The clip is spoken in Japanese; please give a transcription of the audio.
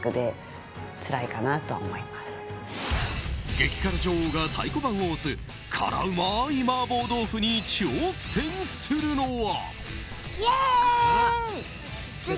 激辛女王が太鼓判を押す辛うまい麻婆豆腐に挑戦するのは。